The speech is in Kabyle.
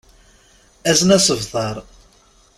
Azen asebter.